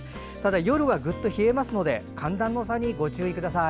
夜はぐっと冷えますので寒暖の差にご注意ください。